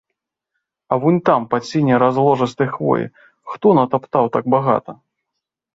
А вунь там, пад сіняй разложыстай хвояй, хто натаптаў так багата?